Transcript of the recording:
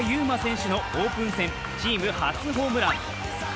馬選手のオープン戦チーム初ホームラン。